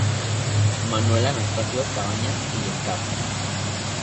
Manuel Atanasio Cabañas y el Cap.